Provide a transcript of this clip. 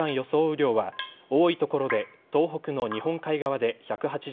雨量は多い所で東北の日本海側で１８０ｍｍ